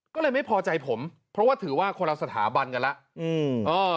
ก็เลยไม่พอใจผมเพราะว่าถือว่าคนละสถาบันกันแล้ว